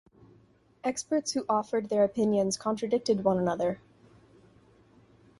Experts who offered their opinions contradicted one another.